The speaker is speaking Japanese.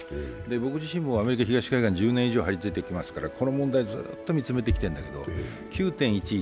僕自身のアメリカ東海岸に１０年以上張りついてきていますから、見つめてきているんだけど９．１１